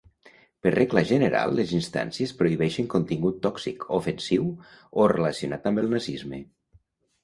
Per regla general, les instàncies prohibeixen contingut tòxic, ofensiu o relacionat amb el nazisme.